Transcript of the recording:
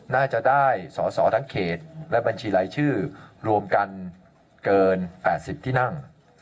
น่าจะได้สอสอทั้งเขตและบัญชีรายชื่อรวมกันเกิน๘๐ที่นั่ง